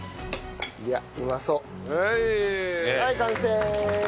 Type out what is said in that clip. はい完成。